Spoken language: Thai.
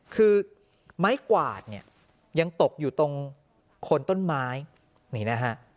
คือไม้กวาดเนี่ยยังตกอยู่ตรงโคนต้นไม้นี่นะฮะ